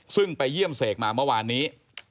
ซึ่งไปเยี่ยมเสกมาเมื่อวานนี้